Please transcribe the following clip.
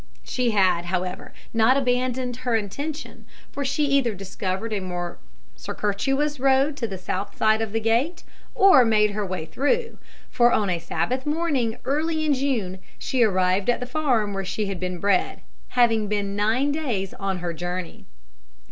She had, however, not abandoned her intention, for she either discovered a more circuitous road to the south side of the gate, or made her way through; for on a Sabbath morning early in June she arrived at the farm where she had been bred, having been nine days on her journey.